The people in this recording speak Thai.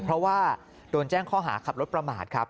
เพราะว่าโดนแจ้งข้อหาขับรถประมาทครับ